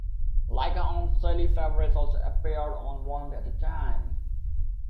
Like her aunt, Shelley Fabares also appeared on One Day at a Time.